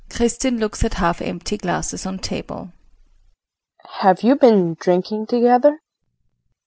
Kristin looks at half empty glasses on table.] KRISTIN. Have you been drinking together, too?